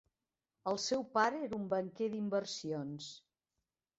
El seu pare era un banquer d'inversions.